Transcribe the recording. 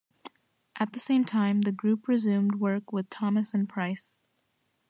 At the same time, the group resumed work with Thomas and Price.